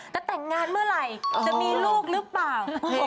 จะแต่งงานเมื่อไหร่จะมีลูกหรือเปล่า